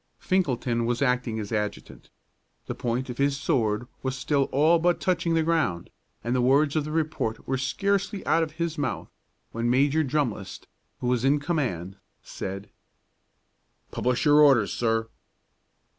Finkelton was acting as adjutant. The point of his sword was still all but touching the ground, and the words of the report were scarcely out of his mouth, when Major Drumlist, who was in command, said, "Publish your Orders, sir."